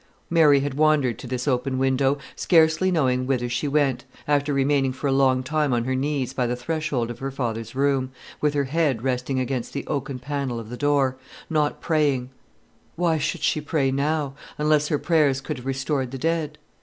Mary had wandered to this open window, scarcely knowing whither she went, after remaining for a long time on her knees by the threshold of her father's room, with her head resting against the oaken panel of the door, not praying; why should she pray now, unless her prayers could have restored the dead?